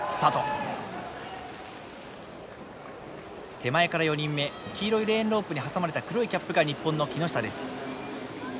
手前から４人目黄色いレーンロープに挟まれた黒いキャップが日本の木下です。